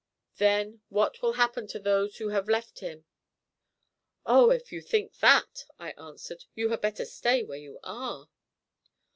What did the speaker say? Then what will happen to those who have left him?" "Oh, if you think that," I answered, "you had better stay where you are."